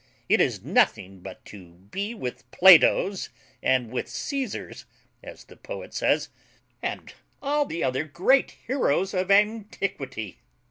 It is nothing but to be with Platos and with Caesars, as the poet says, and all the other great heroes of antiquity.